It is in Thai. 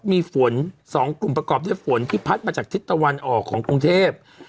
มีฝน๒กลุ่มประกอบด้วยฝนที่พัดมาจากทิศตะวันออกของกรุงเทพ